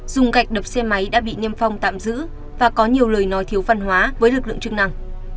dùng gạch đập xe máy đã bị niêm phong tạm giữ và có nhiều lời nói thiếu văn hóa với lực lượng chức năng